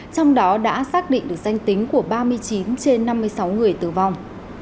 trong đó đã xác định được danh tính của ba mươi chín trên năm mươi sáu người tử vong